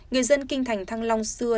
người dân kinh thành thăng long xưa